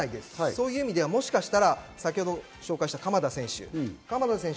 そういう意味ではもしかしたら紹介した鎌田選手。